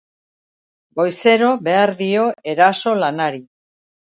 Goizero behar dio eraso lanari.